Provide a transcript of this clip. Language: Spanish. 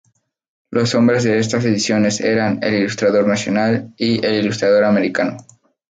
Los nombres de estas ediciones eran "El Ilustrador Nacional" y "El Ilustrador Americano".